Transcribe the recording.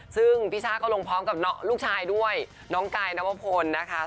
ซึ่งพี่ช่าก็ลงพร้อมกับลูกชายด้วยน้องกายนวพลนะคะ